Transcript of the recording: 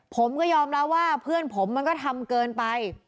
ผมก็ยอมรับว่าเพื่อนผมมันก็ทำเกินไป